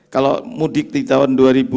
kalau mudik di tahun dua ribu